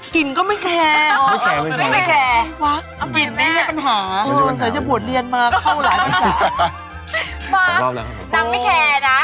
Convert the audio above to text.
กินก็ไม่แคร์